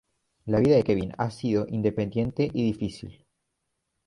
La vida de Kevin ha sido independiente y difícil.